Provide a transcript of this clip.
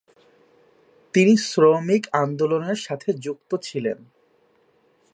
তিনি শ্রমিক আন্দোলনের সাথেও যুক্ত ছিলেন।